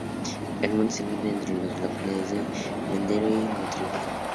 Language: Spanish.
El monte se encuentra entre las localidades de Mendaro y Motrico.